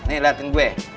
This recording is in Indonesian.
nih liat deng gue